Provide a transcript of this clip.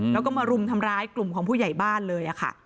แล้วก็มารุมทำร้ายกลุ่มของผู้ใหญ่บ้านเลยค่ะ